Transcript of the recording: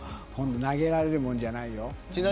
投げられるもんじゃないよ。